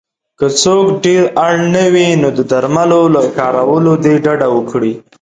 که څوک ډېر اړ نه وی نو د درملو له کارولو دې ډډه وکړی